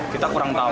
kita kurang tahu